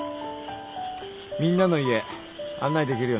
みんなの家案内できるよな？